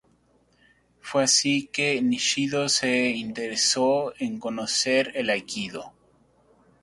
Fue así que Nishio se interesó en conocer el aikido.